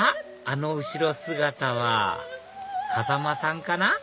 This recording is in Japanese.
あの後ろ姿は風間さんかな？